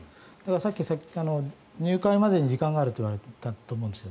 さっき入会までに時間があると言われたと思うんです。